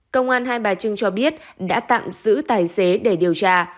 công an hai bà trưng cho biết đã tạm giữ tài xế để điều tra